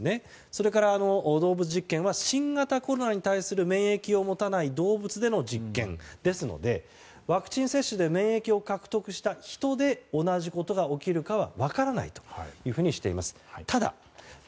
それから動物実験は新型コロナに対する免疫を持たない動物での実験ですのでワクチン接種で免疫を獲得したヒトで同じことが起きるかは分からないというふうにしています。